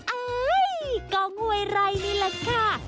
อ้ายยยที่กองหวยร่ายนี้แหละค่ะ